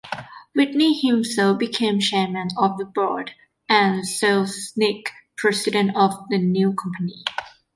Whitney himself became chairman of the board, and Selznick president, of the new company.